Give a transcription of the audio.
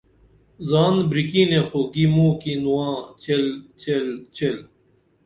زان بریکِنے خو گی موں کی نواں چیل چیل چیل